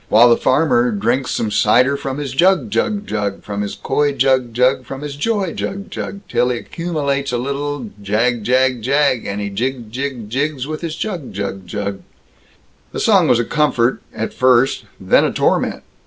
While the farmer drinks some cider from his jug, jug, jug, From his coy jug, jug; from his joy jug, jug. Till he accumulates a little jag, jag, jag, And he jigs, jigs, jigs, with his jug, jug, jug The song was a comfort, at first then a torment.